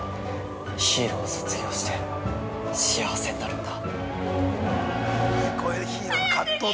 ヒーローを卒業して幸せになるんだ。